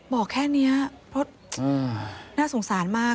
บอกแค่นี้เพราะน่าสงสารมาก